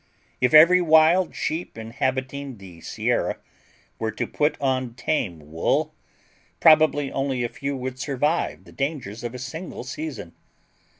If every wild sheep inhabiting the Sierra were to put on tame wool, probably only a few would survive the dangers of a single season.